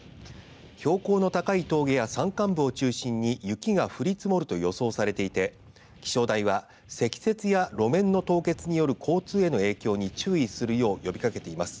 標高の高い峠や山間部を中心に雪が降り積もると予想されていて気象台は積雪や路面の凍結による交通への影響に注意するよう呼びかけています。